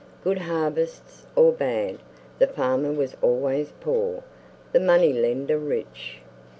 Good harvests, or bad, the farmer was always poor, the money lender rich.